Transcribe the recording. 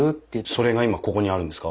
それが今ここにあるんですか？